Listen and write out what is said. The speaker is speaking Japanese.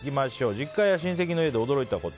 実家や親戚の家で驚いたこと。